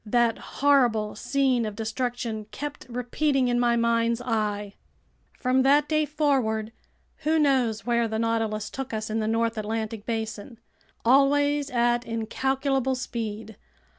That horrible scene of destruction kept repeating in my mind's eye. From that day forward, who knows where the Nautilus took us in the north Atlantic basin? Always at incalculable speed!